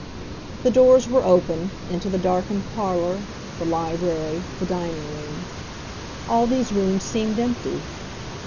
The doors were open—into the darkened parlor, the library, the dining room. All these rooms seemed empty.